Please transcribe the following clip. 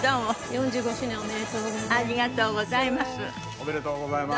おめでとうございます。